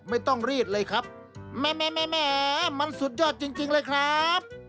แม่มันสุดยอดจริงเลยครับ